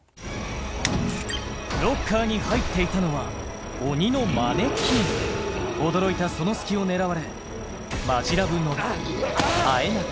ロッカーに入っていたのは鬼のマネキン驚いたその隙を狙われマヂラブ・野田あえなく